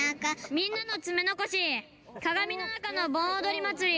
みんなの爪残し鏡の中の盆踊り祭り。